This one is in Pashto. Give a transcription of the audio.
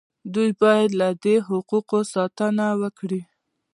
دوی باید له دې حقوقو ساتنه وکړي.